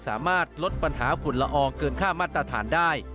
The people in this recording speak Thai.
สามารถลดปัญหาฝุ่นละอองเกินค่ามาตรฐานได้